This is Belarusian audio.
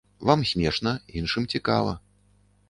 Вам смешна, іншым цікава.